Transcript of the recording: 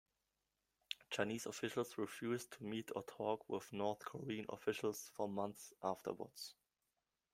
Chinese officials refused to meet or talk with North Korean officials for months afterward.